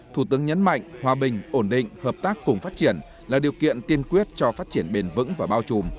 thủ tướng nhấn mạnh hòa bình ổn định hợp tác cùng phát triển là điều kiện tiên quyết cho phát triển bền vững và bao trùm